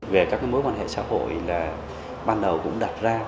về các mối quan hệ xã hội là ban đầu cũng đặt ra